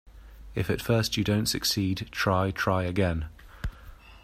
If at first you don't succeed, try, try again.